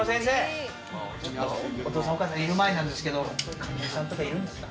お父さん、お母さんがいる前なんですけれども、彼女さんとかいるんですか？